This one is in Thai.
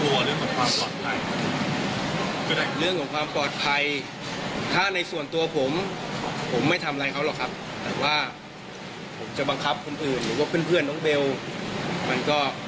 ว่าเรื่องมันคงกลัวคุณว่าเรื่องของความปลอดภัย